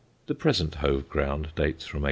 The present Hove ground dates from 1871.